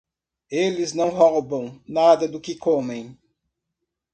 Eles não roubam nada do que comem.